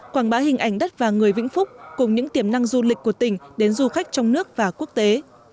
quảng bá hình ảnh đất và người vĩnh phúc cùng những tiềm năng du lịch của tỉnh đến du khách trong nước và quốc tế